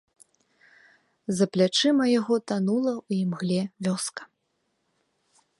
За плячыма яго танула ў імгле вёска.